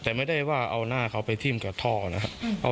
แต่ไม่ได้ว่าเอาหน้าเขาไปทิ้มกับท่อนะครับ